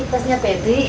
ini tasnya febri